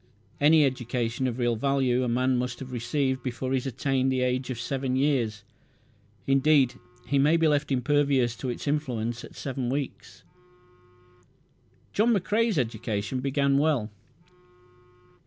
Any education of real value a man must have received before he has attained to the age of seven years. Indeed he may be left impervious to its influence at seven weeks. John McCrae's education began well.